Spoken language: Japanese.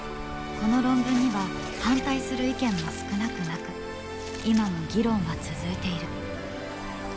この論文には反対する意見も少なくなく今も議論は続いている。